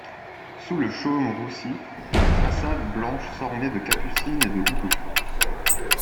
Sous le chaume roussi, les façades blanches s'ornaient de capucines et de houblon.